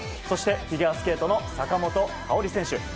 そして、フィギュアスケートの坂本花織選手。